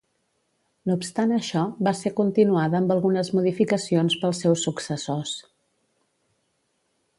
No obstant això va ser continuada amb algunes modificacions pels seus successors.